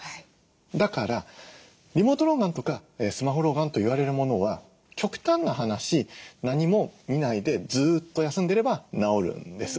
だからリモート老眼とかスマホ老眼といわれるものは極端な話何も見ないでずっと休んでいれば治るんです。